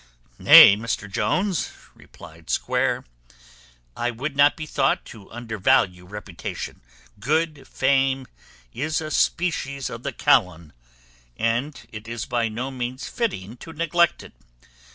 "Nay, Mr Jones," replied Square, "I would not be thought to undervalue reputation. Good fame is a species of the Kalon, and it is by no means fitting to neglect it.